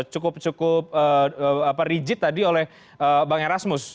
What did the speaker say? cukup cukup rigid tadi oleh bang erasmus